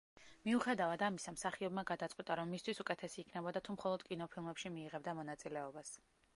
მიუხედავად ამისა, მსახიობმა გადაწყვიტა რომ მისთვის უკეთესი იქნებოდა თუ მხოლოდ კინოფილმებში მიიღებდა მონაწილეობას.